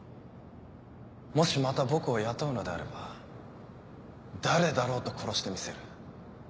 もしまた僕を雇うのであれば誰だろうと殺してみせる。